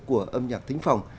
của âm nhạc thính phòng